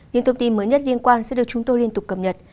những thông tin mới nhất liên quan sẽ được chúng tôi liên tục cập nhật